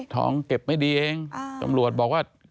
ท้องเก็บไม่ดีเองกำลัวบอกว่า